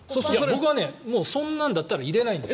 僕はそんなんだったら入れないです。